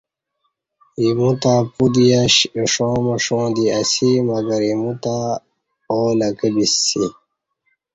ایموُ تہ پُت یش، ایݜاݩ مݜاݩ دی اسی، مگر ایمو تہ او لکہ بسیسی۔